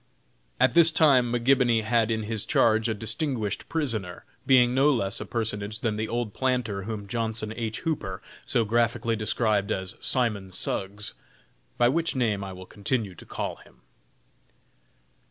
At this time McGibony had in his charge a distinguished prisoner, being no less a personage than the old planter whom Johnson H. Hooper so graphically described as "Simon Suggs;" by which name I will continue to call him.